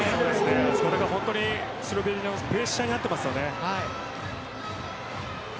それがスロベニアのプレッシャーになっています。